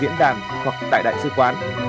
diễn đàn hoặc tại đại sứ quán